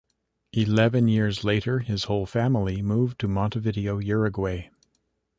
Eleven years later his whole family moved to Montevideo, Uruguay.